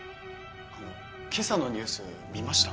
あの今朝のニュース見ました？